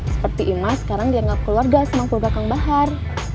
seperti imas sekarang dianggap keluarga sama keluarga kang bahar